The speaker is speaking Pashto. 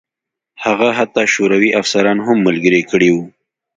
هغه حتی شوروي افسران هم ملګري کړي وو